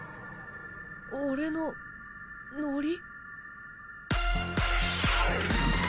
俺のノリ？